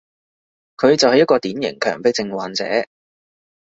佢就係一個典型強迫症患者